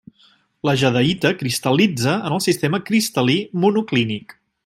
La jadeïta cristal·litza en el sistema cristal·lí monoclínic.